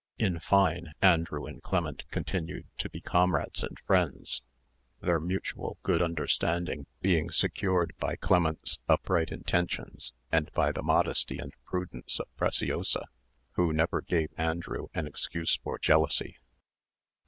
In fine, Andrew and Clement continued to be comrades and friends, their mutual good understanding being secured by Clement's upright intentions, and by the modesty and prudence of Preciosa, who never gave Andrew an excuse for jealousy.